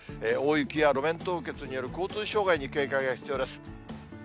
大雪や路面凍結による交通障害に警戒が必要です。